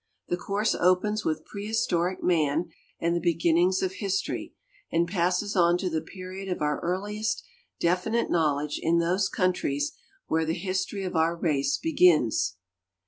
The course opens with prehistoric man and the beginnings of history, and passes on to the period of our earliest definite knowledge in th<)se countries where the history of our race begins.